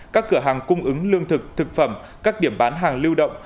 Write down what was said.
các cửa hàng cung ứng lương thực thực phẩm các điểm bán hàng lưu động